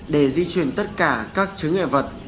để di chuyển tất cả các chứa nghệ vật